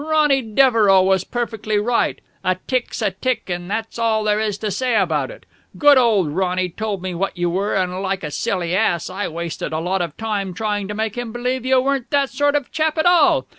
Ronny Devereux was perfectly right. A tick's a tick, and that's all there is to say about it. Good old Ronny told me what you were, and, like a silly ass, I wasted a lot of time trying to make him believe you weren't that sort of chap at all.